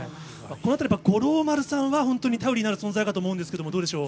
このあたり、五郎丸さんは、本当に頼りになる存在かと思うんですが、どうでしょう。